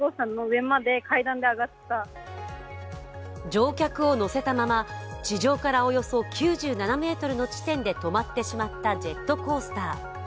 乗客を乗せたまま地上からおよそ９７ｍの地点で止まってしまったジェットコースター。